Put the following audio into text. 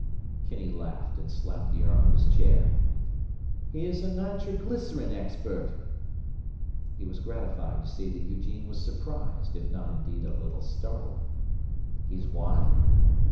Kinney laughed and slapped the arm of his chair. "He's a nitroglycerin expert!" He was gratified to see that Eugene was surprised, if not, indeed, a little startled. "He's what?"